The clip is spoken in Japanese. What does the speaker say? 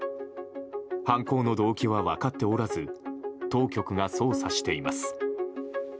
犯行の動機は分かっておらず当局が捜査しています。